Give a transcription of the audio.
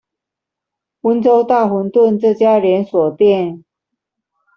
溫州大混飩這家連鎖店